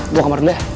bu kemarin deh